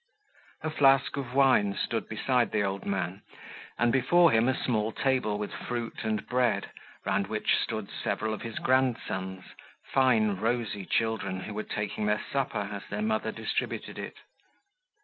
A flask of wine stood beside the old man, and, before him, a small table with fruit and bread, round which stood several of his grandsons, fine rosy children, who were taking their supper, as their mother distributed it.